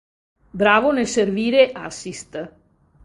Bravo nel servire assist.